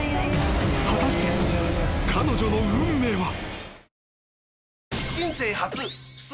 ［果たして彼女の運命は］